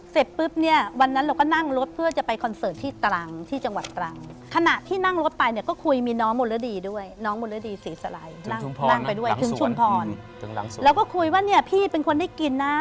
ถึงหลังส่วนถึงหลังส่วนแล้วก็คุยว่าเนี่ยพี่เป็นคนได้กินน่ะ